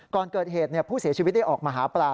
ก่อนเกิดเหตุผู้เสียชีวิตได้ออกมาหาปลา